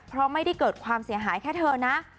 เพราะไม่ได้เกิดความเสียหายแค่เธอนะ